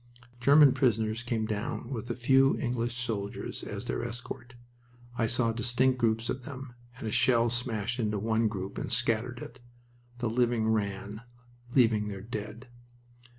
German prisoners came down with a few English soldiers as their escort. I saw distant groups of them, and a shell smashed into one group and scattered it. The living ran, leaving their dead.